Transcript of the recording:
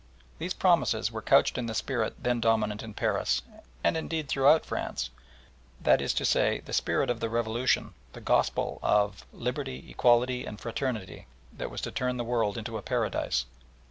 These promises were couched in the spirit then dominant in Paris, and, indeed, throughout France, that is to say, the spirit of the Revolution, the "Gospel" of "Liberty, equality, and fraternity," that was to turn the world into a paradise.